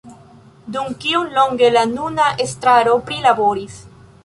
Dum kiom longe la nuna estraro prilaboris